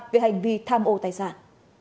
về hành vi tham ô tài sản